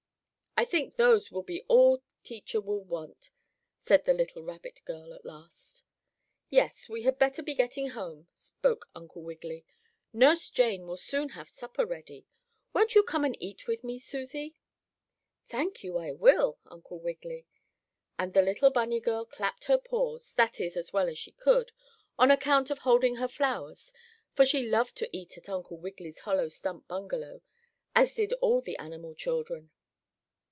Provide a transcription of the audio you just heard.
"I think those will be all teacher will want," said the little rabbit girl at last. "Yes, we had better be getting home," spoke Uncle Wiggily. "Nurse Jane will soon have supper ready. Won't you come and eat with me, Susie?" "Thank you, I will, Uncle Wiggily," and the little bunny girl clapped her paws; that is, as well as she could, on account of holding her flowers, for she loved to eat at Uncle Wiggily's hollow stump bungalow, as did all the animal children.